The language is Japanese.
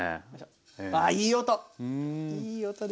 ああいい音！